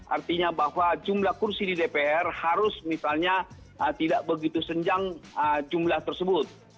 artinya bahwa jumlah kursi di dpr harus misalnya tidak begitu senjang jumlah tersebut